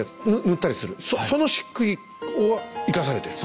塗ったりするそのしっくいを生かされてる。